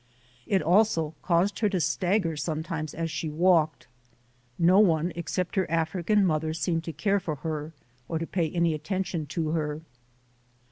It also caused her to stagger sometimes as she walked. No one except her African mother seemed to care for her or to pay any attention to her.